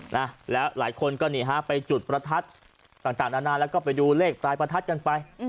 นะแล้วหลายคนก็นี่ฮะไปจุดประทัดต่างนานาแล้วก็ไปดูเลขปลายประทัดกันไป